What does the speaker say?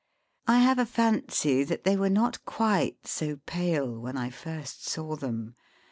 I have a fancy that they were not quite so pale when I first saw them.